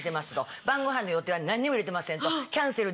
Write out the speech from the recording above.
晩ごはんの予定は何にも入れてませんと。